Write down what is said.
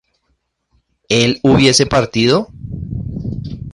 ¿él hubiese partido?